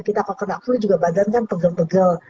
kita kalau kena flu juga badan kan pegel pegel